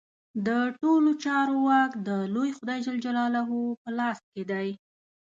د ټولو چارو واک د لوی خدای جل جلاله په لاس کې دی.